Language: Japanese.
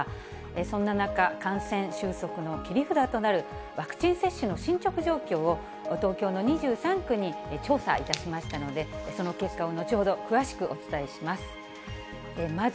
そんな中、感染収束の切り札となるワクチン接種の進捗状況を、東京の２３区に調査いたしましたので、その結果を後ほど、詳しくお伝えします。